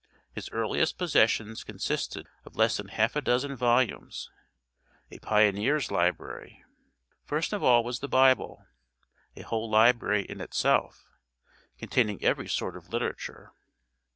His earliest possessions consisted of less than half a dozen volumes a pioneer's library. First of all was the Bible, a whole library in itself, containing every sort of literature.